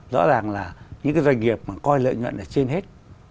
rõ ràng là những cái doanh nghiệp mà coi lợi nhuận ở trên hết